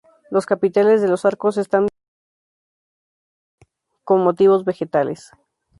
Los capiteles de los arcos están decorados en su mayoría con motivos vegetales.